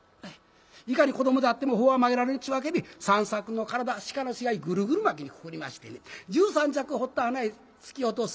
いかに子どもであっても法は曲げられんちゅうわけで三作の体鹿の死骸グルグル巻きにくくりましてね十三尺掘った穴へ突き落とす。